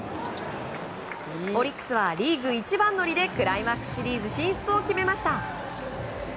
オリックスはリーグ一番乗りでクライマックス進出を決めました。